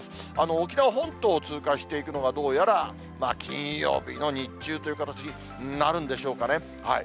沖縄本島を通過していくのが、どうやら金曜日の日中という形になるんでしょうかね。